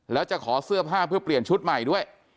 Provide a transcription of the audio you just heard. แล้วจะขอเสื้อผ้าเพื่อเปลี่ยนชุดใหม่ด้วย